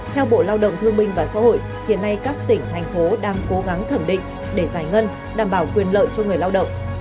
theo bộ lao động thương minh và xã hội hiện nay các tỉnh thành phố đang cố gắng thẩm định để giải ngân đảm bảo quyền lợi cho người lao động